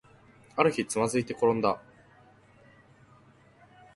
ある日、つまずいてころんだ